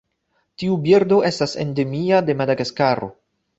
Tiu birdo estas endemia de Madagaskaro.